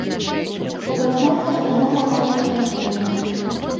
Але асноўную дапамогу аказваюць валанцёры.